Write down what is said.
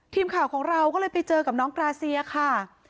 ทีมข่าวของเราก็เลยไปเจอกับน้องกราเซียค่ะ